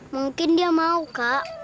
mungkin dia mau kak